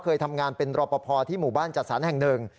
เคยทำงานเป็นรอปภที่หมู่บ้านจัดสรรแห่งหนึ่ง